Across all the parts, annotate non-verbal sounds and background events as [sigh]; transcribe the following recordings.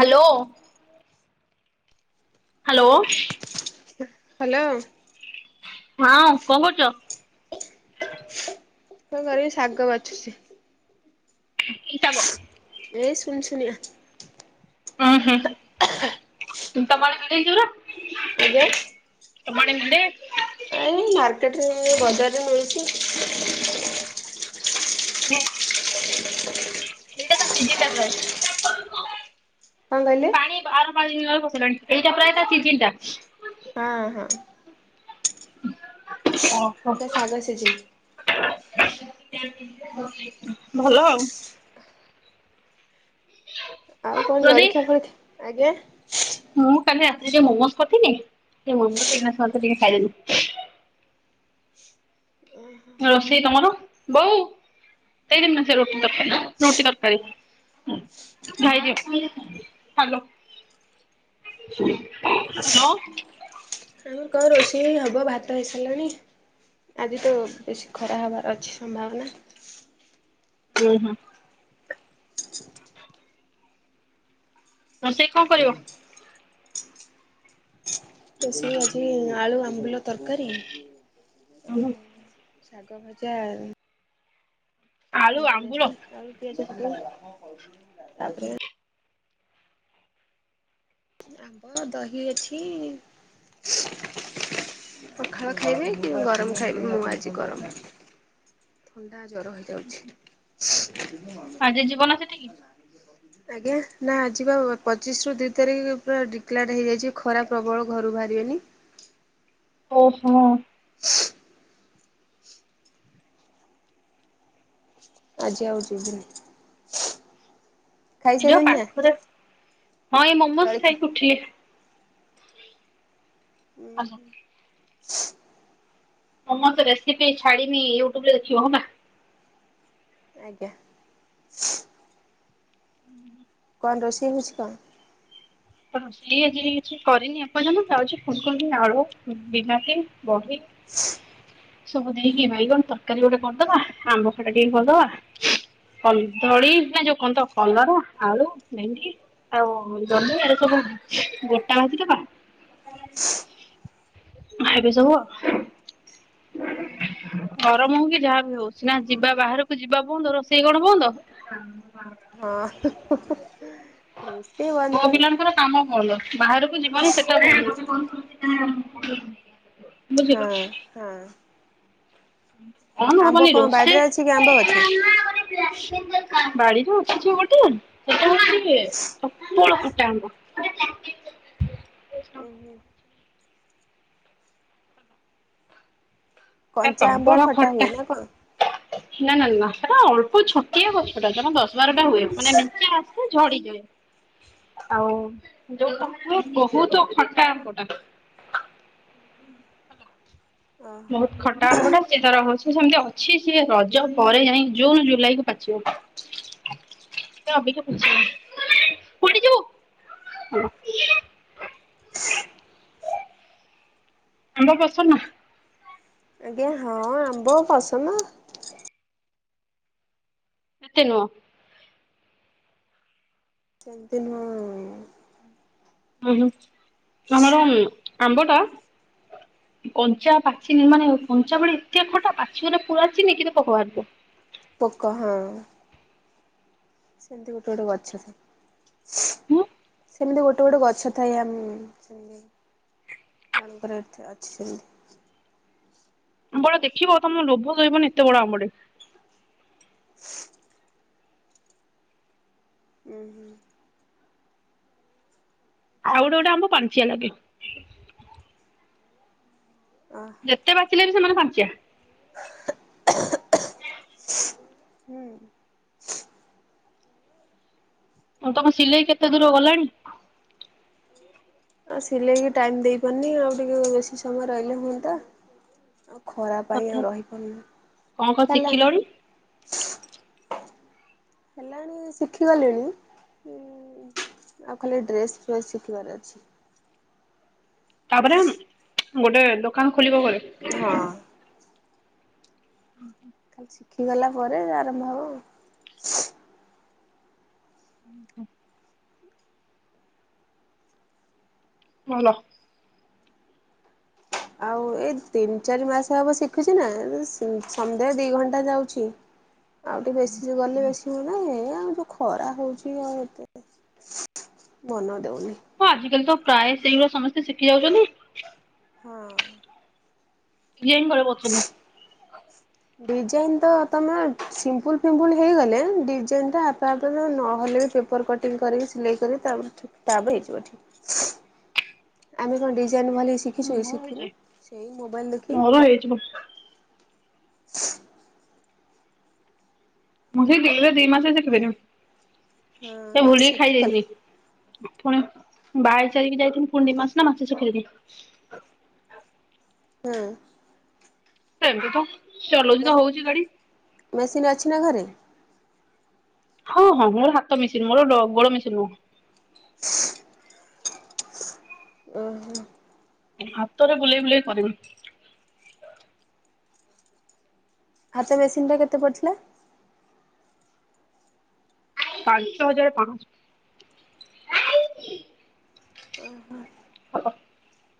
Hello. [inaudible] Hello. [unintelligible] Hello. ହଁ କଣ କରୁଚ? ମୁଁ ଏଇ ଶାଗ ବାଛୁଚି। କି ଶାଗ? ଏଇ ସୁନସୁନିଆ। [unintelligible] ଆଜ୍ଞା। ସେମାନେ ମୁଣ୍ଡେଇ ବେ ଏଇ ମାର୍କେଟ୍ ରେ ବଜାରରେ ମିଳୁଚି ଏଇଟା ତ ସିଜେଇବା ପ୍ରାଏ କଣ କହିଲେ? ଏଇଟା ପ୍ରାଏ ତା ସିଜିନ ଟା। ହଁ ହଁ। ଓହୋ। ଏଟା ଶାଗ ସିଜିନ୍ ଭଲ ଆଉ। ଆଉ କଣ ରୋଷେଇ ଜଳିଖିଆ କରନ୍ତି ଆଜ୍ଞା। ମୁଁ କାଲି ରାତିରେ ଯୋଉ ମୋମଜ କରିଥିଲି ସେଇ ମୋମଜ [unintelligible] ଖାଇଦେଲି। ରୋଷେଇ ତମର? ହ୍ୟାଲୋ। ହ୍ୟାଲୋ। ଆଁ କଣ ରୋଷେଇ ଆଜି ଭାତ ବସିବନି ଆଜିତ ଖରା ହବାର ଅଛି। ସମ୍ଭାବନା ହୁଁ ହୁଁ। ରୋଷେଇ କଣ କରିବ? ରୋଷେଇ ଆଜି ଆଳୁ ଆମ୍ବୁଲ ତରକାରୀ ଆଉ ଶାଗ ଭଜା ଆଉ ଆଳୁ ସୁନସୁନିଆ ଆମ୍ବୁଳ ଶାଗ ଆଳୁ ପିଆଜ ଭଜା ତାପରେ ଆମ୍ବ, ଦହି ଅଛି ପଖାଳ ଖାଇବେ କି, ଗରମ ଖାଇବି ମୁଁ ଆଜି ଗରମ ଥଣ୍ଡା, ଜର ହେଇଯାଉଚି। ଆଜି ଯିବନା ସେଠିକି? ଆଜ୍ଞା ନା ଆଜି ବା ପଚିଶ୍ ରୁ ଦି ତାରିଖ ପୁରା ଡିକ୍ଲାର ହେଇଯାଇଚି ଖରା ପ୍ରବଳ ଘରୁ ବାହାରିବେନି। ଓହୋ। ହ। ଆଜି ଆଉ ଯିବିନି। ଏ ଖାଇସାରିଲେଣି ନା ପାଖରେ ହଁ, ଏଇ ମୋମଜ ଜଳଖିଆ? ଖାଇକି ଉଠିଲି। ହ୍ୟାଲୋ। ସମସ୍ତେ ରେସିପି ଛାଡିବି ୟୁଟ୍ୟୁବ ରେ ଦେଖିବ ହେଲା। ଆଜ୍ଞା। ହୁଁ ହୁଁ। କଣ ରୋଷେଇ ହୋଉଚି କଣ? ତ ରୋଷେଇ ଆଜି କିଛି କରିନି ଆପର୍ଯ୍ୟନ୍ତ ଯାଉଚି ଫୁ୍ଲ‌କୋବି, ଆଳୁ, ବିଲାତି, ବଡି ସବୁ ଦେଇକି ବାଇଗଣ ତରକାରୀ ଗୋଟେ କରିଦବା ଆମ୍ବ ଖଟା ଟିକେ କରିଦବା କଧଳୀ ନା ଯୋଉ କଲରା, ଆଳୁ, ଭେଣ୍ଡି ଆଉ ଜହ୍ନି ଆ ସବୁ ଗୋଟା ବାଟି ଦବା [unintelligible] ହୁଁ। ଗରମ ହଉ କି ଯାହାବି ହଉ ସିନା ଯିବା ବାହାରକୁ ଯିବା ବନ୍ଦ ରୋଷେଇ କଣ ବନ୍ଦ। ହଁ ରୋଷେଇ ବନ୍ଦ ପୁଅ ହବନି। [unintelligible] ହଁ, ହଁ। କଣ ଆମ୍ବ ହବନି ବାଡିରେ ରୋଷେଇ। ଅଛି କି ଆମ୍ବ ଗଛ? ବାଡ଼ିରୁ କିଛି ଗଟେ ପ୍ରବଳ ଖଟା ଆମ୍ବ। ଉଁ, ସେଟା ହୁଁ। କଞ୍ଚା ଆମ୍ବ ଖଟା ହୁଏ ନା କଣ। ନା, ନା, ନା ସେଟା ଅଳ୍ପ ଛଟିଆ ଗଛଟା ଜମା ଦଶ ବାରଟା ହୁଏ ମାନେ ମେଞ୍ଚେ ଆସେ ଝଡିଯାଏ। ଉଁ ଆଉ ଯୋଉ ବହୁତ୍ ଖଟାଆମ୍ବଟା। ଓହୋ ବହୁତ୍ ଖ ଖଟା ଆମ୍ବଟା ସେ ତାର ଅଛି ସେମିତି ଅଛି ସିଏ ରଜ ପରେ ଯାଇକି ଜୁନ୍ ଜୁଲାଇ କୁ ପାଚିବ। ହ [unintelligible] ସେ ଅବିକା ପୁଛ୍ ପଡିଯିବୁ। [inaudible] ଆମ୍ବ ପସନ୍ଦ ନା? ଆଜ୍ଞା ହଁ ଆମ୍ବ ପସନ। ଏତେ ନୁହଁ। ସେମିତି ନୁହଁ। ହୁଁ, ହୁଁ ତମର ଆମ୍ବଟା କଞ୍ଚା ପାଚି ମାନେ କଞ୍ଚା ବେଳେ ଏତେ ଖଟା ପାଚି ଗଲେ ପୁରା ଚିନି କିନ୍ତୁ ପୋକ ବାହୁରୁଥିବ। ପୋକ ହଁ ସେମତି ଗୋଟେ ଗୋଟେ ଗଛ ଥାଏ। ହୁଁ [inaudible] ସେମିତି ଗୋଟେ ଗୋଟେ ଗଛ ଥାଏ। ଆମ ସେମିତି ଜଣଙ୍କର ଏ ଅଛି ସେମିତି। ଆମ୍ବ ଟା ଦେଖିବ ତମୋ ଲୋଭ ରହିବନି ଏତେ ବଡ ଆମ୍ବଟେ। [inaudible] ହୁଁ, ହୁଁ। ଆଉ ଗୋଟେ ଗୋଟେ ଆମ୍ବ ପାଞ୍ଚିଆ ଲାଗେ। ଅହ ଯେତେ ବାଟିଲେ ବି ସେମାନେ ପାଞ୍ଚିଆ। ହୁଁ। ଆଉ ତମ ସିଲେଇ କେତେ ଦୂର ଗଲାଣି ଆଉ ସିଲେଇକି ଟାଇମ ଦେଇପାରୁନି ଆଉ ଟିକେ ବେଶୀ ସମୟ ରହିଲେ ହୁଅନ୍ତା। ଆଉ ଖରା ପାଇଁ ଆଉ ତଥା ରହିପାରୁନି କଣ କଣ ହେଲା। ଶିଖିଲଣି ହେଲାଣି ଶିଖିଗଲିଣି। ଆଉ ଖାଲି ଡ୍ରେସ୍ ଫେସ୍ ଶିଖିବାର ଅଛି। ତାପରେ ଗୋଟେ ଦୋକାନ ଖୋଲିବ ଘରେ ହଁ। ହୁଁ ହ [unintelligible] ଖାଲି ଶିଖିଗଲା ପରେ ଆରମ୍ଭ ହବ। ହୁଁ ହ [unintelligible] ଭଲ ଆଉ ଏଇ ତିନି ଚାରି ମାସ ହବ ଶିଖୁଛି ନା ସମୁଦାଏ ଦି ଘଣ୍ଟା ଯାଉଛି। ଆଉ ଟିକେ ବେଶୀ ଗଲେ ବେଶୀ ହୁଅନ୍ତା ହେ ଆଉ ଖରା ହଉଛି ଆଉ ଏତେ ମନ ଦଉନି। ହଁ ଆଜିକାଲି ତ ପ୍ରାୟ ସେଇଗୁରା ସମସ୍ତେ ଶିଖି ଯାଉଛନ୍ତି। ହଁ [unintelligible] ଡିଜାଇନ ତ ତମେ ସିମ୍ପୁଲ ପିମ୍ପୁଲ୍ ହେଇଗଲେ ଡିଜାଇନଟା ଆପେ ଆପେ ନହେଲେ ବି ଉପର କଟିଂ କରିକି ସିଲେଇ କରି ତାପରେ ଠିକ୍ ତାପରେ ହେଇଯିବ ଠିକ୍। ଆମେ କଣ ଡିଜାଇନ ଭଲ ଶିଖିଛୁ କି ମୋର ଶିଖିନୁ ହେଇଯାଏ ସେଇ ମୋବାଇଲ ଦେଖି ମୋର ହେଇଯିବ। [inaudible] ମୁଁ ସେ ଦିଲ୍ଲୀରେ ଦି ମାସ ଶିଖିଥିଲି ହଁ ସେ ନା ଭୁଲିକି ଶିଖିଗଲା ଖାଇଯାଇଛି। ପୁଣି ବାହାହେଇକି ସାରିକି ଯାଇଥିଲି ପୁଣି ଦି ମାସେ ନା ମାସେ ଶିଖିଥିଲି। ହୁଁ ସେମତି ତ ଚଲଉଛି ମେ ତ ହଉଛି ଗାଡି। ମେସିନ୍ ଅଛି ନା ଘରେ। ହଁ ହଁ ମୋର ହାତ ମେସିନ ମୋର ଗୋଡ଼ ମେସିନ ନୁହଁ। [inaudible] ଓହୋ ହାତରେ ବୁଲେଇ ବୁଲେଇ କରିବି। ହାତ ମେସିନଟା କେତେ ପଡ଼ିଥିଲା। ପାଞ୍ଚ ହଜାର ପାଶହ। ଓହୋ [inaudible]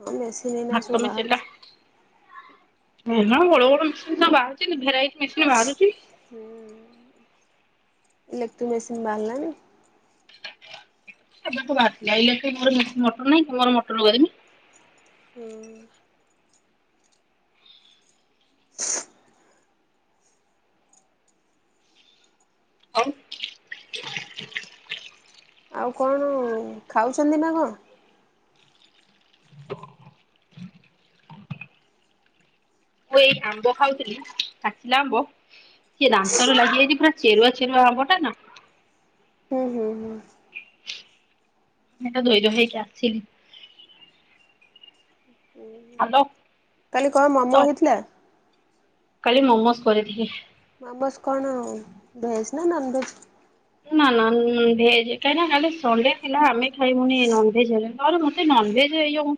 [inaudible] ହାତ ମେସିନଟା ବାହାରୁଛି। ହେନା ବଡ ବଡ ମେସିନ୍ ବାହାରୁଛି ଭେରାଇଟ ମେସିନ ବାହାରୁଛି। ଇଲେକ୍ଟ୍ରି ମେସିନ୍ ବାହାରିଲାଣି। ଏବେ ତୁ ବାହାରଥିଲା ଏ ମୋର ମଟର ନାହିଁ ତ ମୋର ମଟର ଲଗେଇଦେଲୁନୁ। ହୁଁ ଆଉ କଣ ଖାଉଛନ୍ତି ନା କଣ? ମୁଁ ଏଇ ଆମ୍ବ ଖାଉଥିଲି ପାଚିଲା ଆମ୍ବ। ସିଏ ଦାନ୍ତରେ ଲାଗିଯାଇଛି ପୁରା ଚେରୁଆ ଚେରୁଆ ଆମ୍ବଟା ନା। ହୁଁ ହୁଁ ହୁଁ ସେଇଟା ଧୋଇଦିଅ ହେଇକି ଆସିଲି। ହ୍ୟାଲୋ କାଲି କଣ ମମୋ ହେଇଥିଲା। କାଲି ମୋମୋସ୍ କରିଥିଲି। ମୋମସ କଣ ଭେଜ ନା ନନ୍ ଭେଜ। ନା ନା ଭେଜ କାହିଁକି ନା ଖାଲି ସଣ୍ଡେ ଥିଲା ଆମେ ଖାଇବୁନି ନନଭେଜ ହେଲେ। ନହେଲେ ମତେ ନନଭେଜ ଏ ଯୋଉ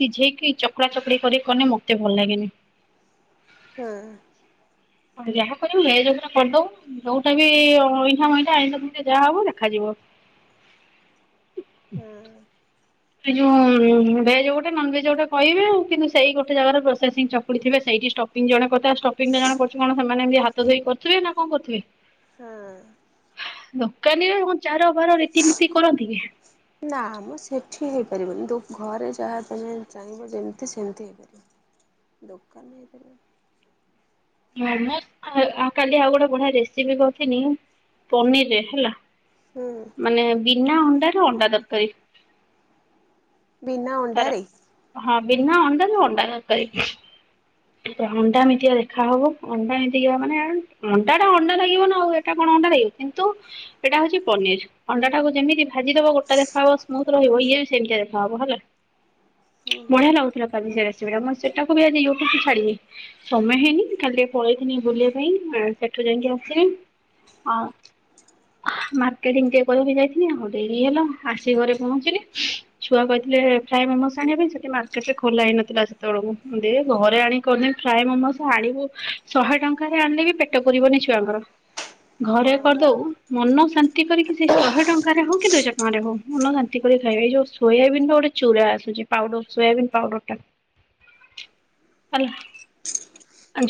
ସିଝେଇକି ଚକଡ଼ା ଚକଡି କରିକି କଲେ ମତେ ଭଲ ଲାଗେନି। ହଁ ହଁ ଯାହା କରିବୁ ଭେଜ ଉପରେ କରିଦବୁ ଯୋଉଟା ବି ଅଇଁଠା ମଇଁଠା ଆଇଁଷ ଫାଇଁଷ ଯାହା ହବ ଦେଖାଯିବ। ହୁଁ ଏଇ ଯୋଉ ଭେଜ ଗୋଟେ ନନ ଭେଜ ଗୋଟେ କହିବେ କିନ୍ତୁ ସେଇ ଗୋଟେ ଜାଗାରେ ପ୍ରୋସେଂ ଚକୁୁଡିଥିବେ ସେଇଠି ଷ୍ଟପ ଜଣେ କଥା ଷ୍ଟୋପିଂଟା ଜଣେ କରୁଛି କଣ ସେମାନେ ଏମିତି ହାତ ଧୋଇକି କରିଥିବେ ନା କଣ କରୁଥିବେ। ହଁ ଦୋକାନୀରେ କଣ ଚାର ବାର ରୀତିନୀତି କରନ୍ତି କି? ନା ଆମ ସେଠି ହେଇପାରିବନି ତ ଘରେ ଯାହା ତମେ ଚାହିଁବ ଯେମିତି ସେମିତି ହେଇପାରିବ। [unintelligible] ଦୋକାନରେ ହେଇପାରିବ ହଁ ମୁଁ କାଲି ଆଉ ଗୋଟେ ବଢିଆ ରେସିପି କରିଥିଲି ପନିରରେ ହେଲା ହୁଁ। ମାନେ ବିନା ଅଣ୍ଡାରେ ଅଣ୍ଡା ଦରକାରୀ ବିନା ତାର ଅଣ୍ଡାରେ ହଁ ବିନା ଅଣ୍ଡାରେ ଅଣ୍ଡା ତରକାରୀ। ଅଣ୍ଡା ଏମତିଆ ଦେଖାହବ ଅଣ୍ଡା ଏମିତି ମାନେ ଅଣ୍ଡାଟା ଅଣ୍ଡା ଲାଗିବ ନା ଆଉ ଏଇଟା କଣ ଅଣ୍ଡା ଲାଗିବ କିନ୍ତୁ ଏଇଟା ହଉଛି ପନିର ଅଣ୍ଡାଟାକୁ ଯେମିତି ଭାଜିଦବ ଗୋଟା ଦେଖାହବ ସ୍ମୁଥ ରହିବ ଇଏ ବି ସେମିତିଆ ଦେଖାହବ ହେଲା ହୁଁ ହୁଁ ବଢିଆ ଲାଗୁଥିଲା ସେ ରେସିପି ଟା ମୁଁ ସେଟାକୁ ବି ଆଜି ୟୁଟୁବରେ ଛାଡିବି ସମୟ ହେଇନି କାଲି ପଳେଇଥିଲି ବୁଲିବା ପାଇଁ ସେଠୁ ଯାଇକି ଆସିବେ ଆ [unintelligible] ମା [unintelligible] ଯାଇଥିଲି ଆଉ ଡେରି ହେଇଗଲା ଆସି ଘରେ ପହଞ୍ଚିଲି ଛୁଆ କହିଥିଲେ ଫ୍ରାଏମୋମୋସ ଆଣିବା ପାଇଁ ସେଇଠି ମାର୍କେଟରେ ଖୋଲା ହେଇନଥିଲା ସେତେବେଳକୁ ଦେ ଘରେ ଆଣିକରି ଫ୍ରଏମୋମୋସ ଆଣିବୁ ଶହେ ଟଙ୍କାରେ ଆଣିଲେ ବି ପେଟ ପୁରିବନି ଛୁଆଙ୍କର। [unintelligible] ଘରେ କରିଦବୁ। ମନ ଶାନ୍ତି କରିକି ସେଇ ଶହେ ଟଙ୍କାରେ ହଉ କି ଦୁଇଶହ ଟଙ୍କାରେ ହଉ ମନ ଶାନ୍ତି କରି ଖାଇବେ ଏଇ ଯୋଉ ସୋୟାବିନ୍ ରେ ଯୋଉ ଚୁରା ଆସୁଚି ପାଉଡର ସୋୟବନି ପାଉଡରଟା [unintelligible] ହେଲା।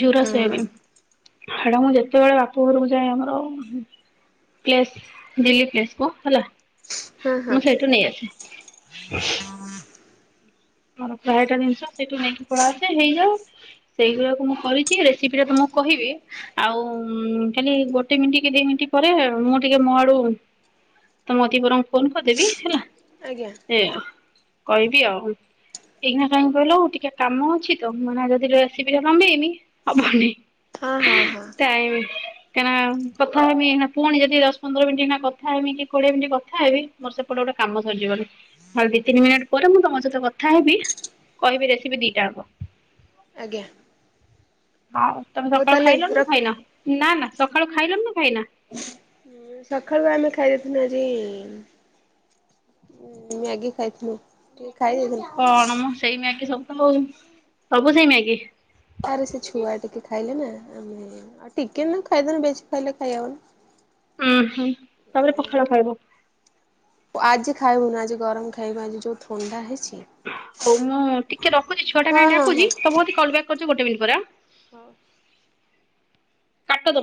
ଝୁରା ହଁ ସୋୟବନି ହେଇଟା ମୁଁ ଯେତେବେଳେ ବାପଘରକୁ ଯାଏ ଆମର ପ୍ଲେସ୍ ଦିଲ୍ଲୀ ପ୍ଲେସ୍ କ ହେଲା। ହଁ ହଁ ମୁଁ ସେଇଠୁ ନେଇ ଆସେ [unintelligible] ମୋର ପ୍ରାୟଟା ଜିନିଷ ସେଇଠୁ ନେଇକି ପଳାଇ ଆସେ ହେଇଯାଏ। ସେଇଗୁରାକୁ ମୁଁ କରିଚି ରେସିପିଟା ତମକୁ କହିବି। ଆଉ ଖାଲି ଗୋଟେମିନିଟ୍ କି ଦିମିନିଟ୍ ପରେ ମୁଁ ଟିକେ ମୋ ଆଡୁ ତୁମ କତିକି ବରଂ ଫୋନ କରିଦେବି ହେଲା। ଆଜ୍ଞା। ସେ କହିବି ଆଉ ଏଇିନା କାହିଁ କହିଲ ଟିକେ କାମ ଅଛି ତ ମାନେ ଯଦି ରେସିପିଟା ଲମ୍ବେଇବି ହବନି। ହଁ ହଁ ହଁ [unintelligible] ଟାଇମ୍ କେନା କଥା ହେବି ଏଇନା ପୁଣି ଯଦି ଦଶ ପନ୍ଦର ମିନିଟ୍ କଥା ହେବି କି କୋଡିଏ ମିନିଟ୍ କଥା ହେବି ମୋର ସେପଟେ ଗୋଟେ କାମ ସରିଯିବଣି ଦି ତିନି ମିନିଟ୍ ପରେ ମୁଁ ତମ ସହିତ କଥା କଥା ହେବି କହିବି ରେସିପି ଦିଟା ଯାକ। ଆଜ୍ଞା। [unintelligible] ହଉ ତମେ ସକାଳୁ ତାହେଲେ ଖାଇଲନ ରଖ। ଖାଇନ ନା ନା ସକାଳୁ ଖାଇଲନ ନା ଖାଇନା? ସଖାଳୁ ଆମେ ଖାଇ ଦେଇଥିଲୁ ଆଜି ଉ ମ୍ୟାଗି ଖାଇଥିଲୁ ଟିକେ ଖାଇ ଦେଇଥିଲୁ। କଣ ମ ସେଇ ମ୍ୟାଗି କି ସବୁ ତ ହଉ ସବୁ ସେଇ ମ୍ୟାଗି ଆରେ ସେ ଛୁଆ ଟିକେ ଖାଇଲେ ନା ଆମେ ଆଉ ଟିକେ ନ ଖାଇଦେଲେ ବେଶି ଖାଇଲେ ଖାଇହବନି। ଉ ହୁଁ ତାପରେ ପଖାଳ ଖାଇବ। ଆଜି ଖାଇବୁନି ଆଜି ଗରମ ଖାଇବୁ ଆଜି ଯୋଉଁ ଥଣ୍ଡା ହେଇଚି। ହଉ ମୁଁ ଟିକେ ରଖୁଚି ଛୁଆଟା ହଁ କାଇଁ ହଁ ଡାକୁଛି ତମକତିକି କଲ୍ ବ୍ୟାକ କରୁଚି ଗୋଟେ ମିନିଟ୍ ପରେ। ହଁ। କାଟ ଦେବେ।